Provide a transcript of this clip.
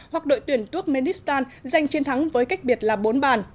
hoặc đội tuyển turkmenistan giành chiến thắng với cách biệt là bốn bàn